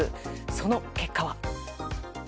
その結果は。